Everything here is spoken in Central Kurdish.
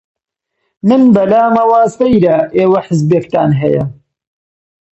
من بە لامەوە سەیرە ئێوە حیزبێکتان هەیە!